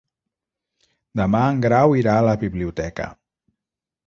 Demà en Grau irà a la biblioteca.